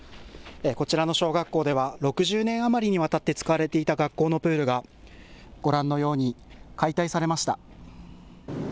こちらの小学校では６０年余りにわたって使われていた学校のプールがご覧のように解体されました。